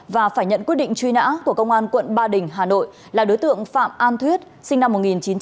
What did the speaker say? và phải nhận quyết định truy nã của công an quận ba đình hà nội là đối tượng phạm an thuyết sinh năm một nghìn chín trăm tám mươi